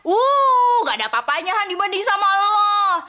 uuuh gak ada apapanya han dibanding sama lo